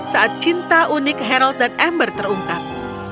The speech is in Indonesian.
saat cinta unik hairold dan ember terungkap